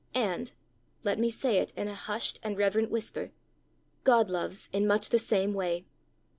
And let me say it in a hushed and reverent whisper God loves in much the same way.